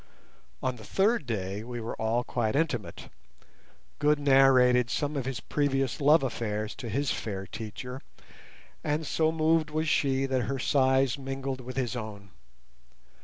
On the third day we were all quite intimate. Good narrated some of his previous love affairs to his fair teacher, and so moved was she that her sighs mingled with his own.